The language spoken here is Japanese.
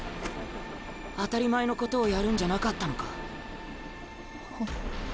当たり前のことをやるんじゃなかったのか？は。